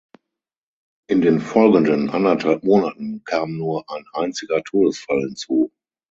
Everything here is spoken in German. In den folgenden anderthalb Monaten kam nur ein einziger Todesfall hinzu.